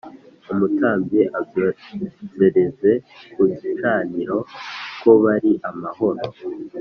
Umutambyi abyosereze ku gicaniro ko bari amahoro